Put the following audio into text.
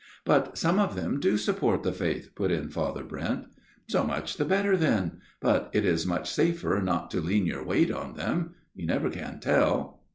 " But some of them do support the faith," put in Father Brent. " So much the better then. But it is much safer not to lean your weight on them. You never can tell.